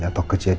atau yang terjadi